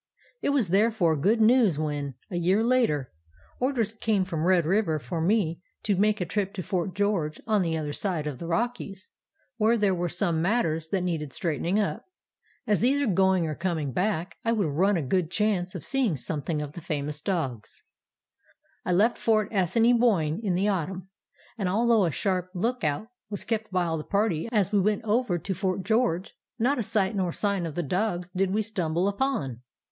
It was therefore good news when, a year later, orders came from Red River for me to make a trip to Fort George on the other side of the Rockies, where there were some matters that needed straightening up, as either going or coming back I would run a good chance of seeing something of the famous dogs. "I left Fort Assiniboine in the autumn, and although a sharp look out was kept by all the party as we went over to Fort George, not a sight nor sign of the dogs did we stumble upon.